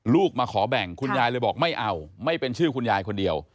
มาขอแบ่งคุณยายเลยบอกไม่เอาไม่เป็นชื่อคุณยายคนเดียว